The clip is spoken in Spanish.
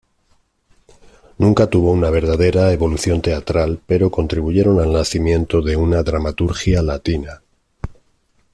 Nunca tuvo una verdadera evolución teatral, pero contribuyeron al nacimiento de una dramaturgia latina.